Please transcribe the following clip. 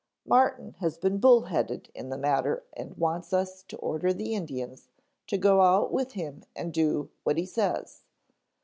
Martin has been bull headed in the matter and wants us to order the Indians to go out with him and do what he says.